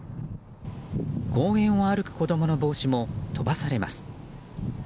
公園を歩く子供の帽子も飛ばされます。